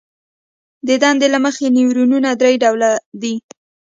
د دندې له مخې نیورونونه درې ډوله دي.